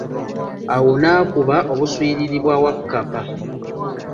Awo nakuba obuswiriri bwa Wakkapa.